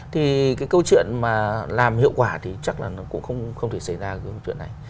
thì cái câu chuyện mà làm hiệu quả thì chắc là nó cũng không thể xảy ra cái câu chuyện này